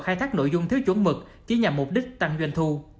khai thác sản phẩm và nội dung này